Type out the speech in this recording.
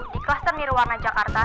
di kluster nirwana jakarta